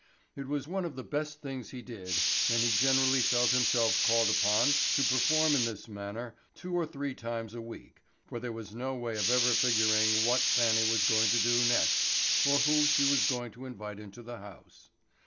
It was one of the best things he did and he generally felt himself called upon to perform in this manner two or three times a week for there was no way of ever figuring what Fannie was going to do next or who she was going to invite into the house.